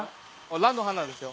蘭の花ですよ